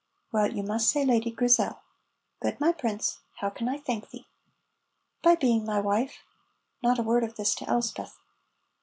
("Well, you must say 'Lady Grizel.') Good, my prince, how can I thank thee?" "By being my wife. (Not a word of this to Elspeth.)"